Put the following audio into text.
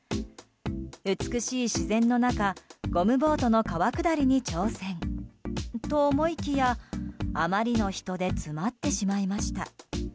美しい自然の中、ゴムボートの川下りに挑戦と思いきやあまりの人で詰まってしまいました。